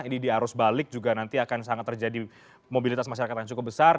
ini di arus balik juga nanti akan sangat terjadi mobilitas masyarakat yang cukup besar